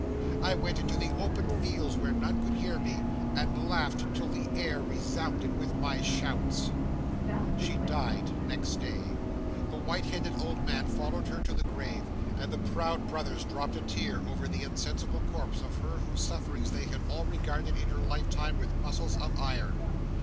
I went into the open fields where none could hear me, and laughed till the air resounded with my shouts! 'She died next day. The white headed old man followed her to the grave, and the proud brothers dropped a tear over the insensible corpse of her whose sufferings they had regarded in her lifetime with muscles of iron.